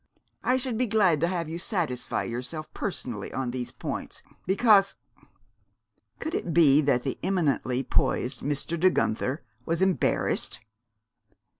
I should be glad to have you satisfy yourself personally on these points, because " could it be that the eminently poised Mr. De Guenther was embarrassed?